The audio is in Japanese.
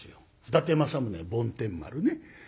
伊達政宗梵天丸ね。